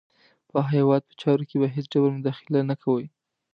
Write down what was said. په هغه هیواد په چارو کې به هېڅ ډول مداخله نه کوي.